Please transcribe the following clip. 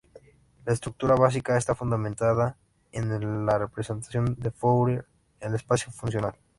La estructura básica está fundamentada en la representación de Fourier del espacio funcional.